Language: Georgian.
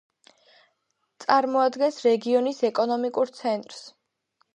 წარმოადგენს რეგიონის ეკონომიკურ ცენტრს.